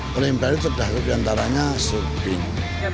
paling berarti terdapat di antaranya serping